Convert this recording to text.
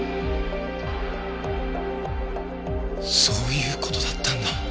そういう事だったんだ。